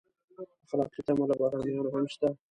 اخلاقي تمه له بهرنیانو هم شته.